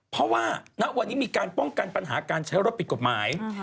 เพราะว่าณวันนี้มีการป้องกันปัญหาการใช้รถผิดกฎหมาย